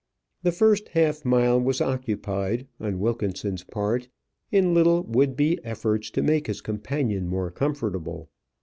The first half mile was occupied, on Wilkinson's part, in little would be efforts to make his companion more comfortable.